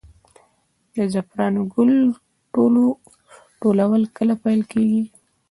د زعفرانو ګل ټولول کله پیل کیږي؟